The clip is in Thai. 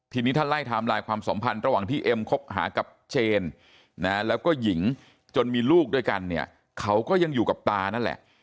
ทีนี้ถ้าไล่ไทม์ไลน์ความสัมพันธ์ระหว่างที่เอ็มคบหากับเจนนะแล้วก็หญิงจนมีลูกด้วยกันเนี่ยเขาก็ยังอยู่กับตานั่นแหละ